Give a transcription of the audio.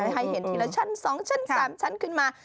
ให้เห็นทีละชั้น๒ชั้น๓ชั้นขึ้นมา